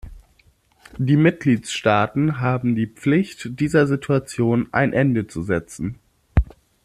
Die Mitgliedstaaten haben die Pflicht, dieser Situation ein Ende zu setzen.